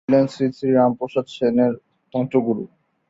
তিনি ছিলেন শ্রীশ্রী রামপ্রসাদ সেনের তন্ত্রগুরু।